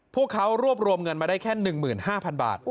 พวกเขารวบรวมเงินมาได้แค่๑๕๐๐๐บาท